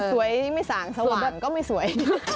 ไม่สั่งสว่างก็ไม่สวย